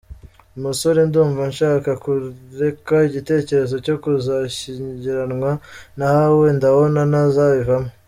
Umusore : Ndumva nshaka kureka igitekerezo cyo kuzashyingiranwa nawe, ndabona ntazabivamo !.